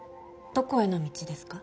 どこへの道ですか？